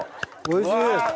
おいしい。